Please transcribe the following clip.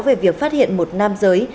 về việc phát hiện một nam giới